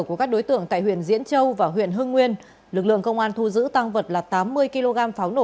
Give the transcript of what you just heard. của các đối tượng tại huyện diễn châu và huyện hưng nguyên lực lượng công an thu giữ tăng vật là tám mươi kg pháo nổ